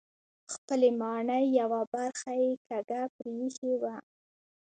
خپلې ماڼۍ یوه برخه یې کږه پرېښې وه.